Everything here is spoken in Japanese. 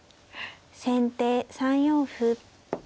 先手３四歩。